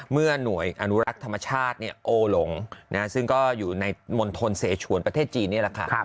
เมื่อหน่วยอนุรักษ์ธรรมชาติโอหลงซึ่งก็อยู่ในมณฑลเสชวนประเทศจีนนี่แหละค่ะ